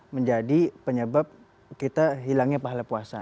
menjadi penyebab kita hilangnya pahala puasa